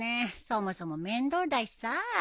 そもそも面倒だしさ。